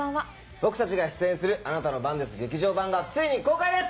僕たちが出演する『あなたの番です劇場版』がついに公開です！